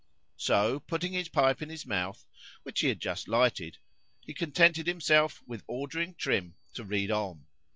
—So putting his pipe into his mouth, which he had just lighted,—he contented himself with ordering Trim to read on.